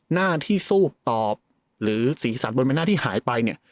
หน้าที่ซูบตอบหรือสีสันบนใบหน้าที่หายไปเนี่ย